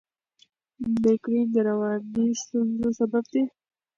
مېګرین د رواني ستونزو سبب دی.